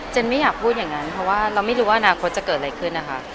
ไม่อยากพูดอย่างนั้นเพราะว่าเราไม่รู้ว่าอนาคตจะเกิดอะไรขึ้นนะคะ